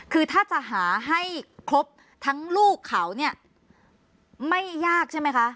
คือถ้าจะหาให้ครบทั้งลูกเขาเนี่ยไม่ยากใช่ไหมคะ